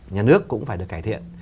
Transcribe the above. nhà nước cũng phải được cải thiện